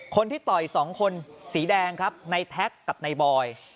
คนที่ต่อยสองคนสีแดงครับในแท็กกับในบอย